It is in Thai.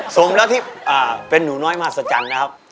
ส่งแล้วที่เป็นนูน้อยมากสัจจังนะครับ